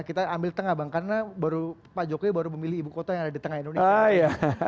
kita ambil tengah bang karena pak jokowi baru memilih ibu kota yang ada di tengah indonesia